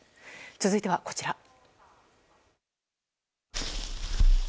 続いてはこちら。